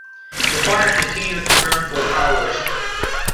The fire continued to burn for hours.